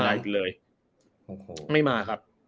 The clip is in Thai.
ไม่มาอีกเลยไม่มาครับ